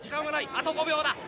あと５秒！